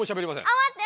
あまって！